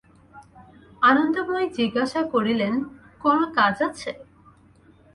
আনন্দময়ী জিজ্ঞাসা করিলেন, কোনো কাজ আছে?